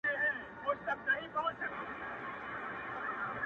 مسافر پر لاري ځکه د ارمان سلګی وهمه!!